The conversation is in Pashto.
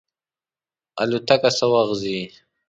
الوتکه څه وخت ځي؟